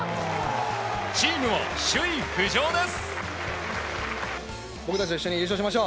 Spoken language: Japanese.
チームも首位浮上です。